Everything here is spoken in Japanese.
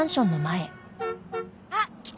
あっ来た！